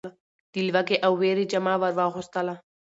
د لوږې او وېري جامه ور واغوستله .